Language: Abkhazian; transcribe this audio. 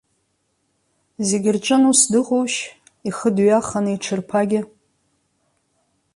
Зегьы рҿын ус дыҟоушь, ихы дҩаханы, иҽырԥагьа.